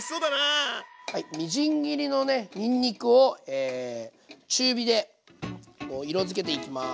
みじん切りのねにんにくを中火で色づけていきます。